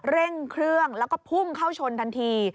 เร่งเครื่องแล้วก็พุ่งเข้าชนทันที